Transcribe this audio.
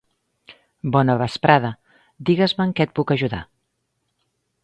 Bona vesprada, digues-me en què et puc ajudar.